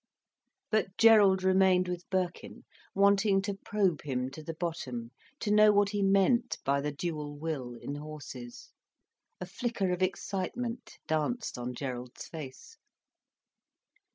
But Gerald remained with Birkin, wanting to probe him to the bottom, to know what he meant by the dual will in horses. A flicker of excitement danced on Gerald's face.